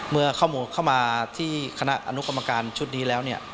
เมื่อข้อมูลเข้ามาที่คณะอนุกรรมการชุดนี้แล้ว